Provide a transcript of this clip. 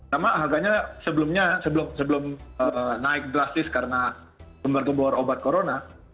karena harganya sebelumnya sebelum naik drastis karena gembor gembor obat corona